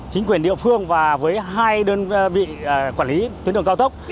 chính quyền địa phương và với hai đơn vị quản lý tuyến đường cao tốc